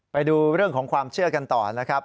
ไปดูเรื่องของความเชื่อกันต่อนะครับ